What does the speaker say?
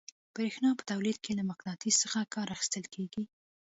برېښنا په تولید کې له مقناطیس څخه کار اخیستل کیږي.